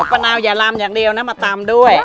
ป้านาวอย่าลำอย่างเดียวนะมาตำด้วย